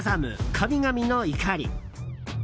神々の怒り」。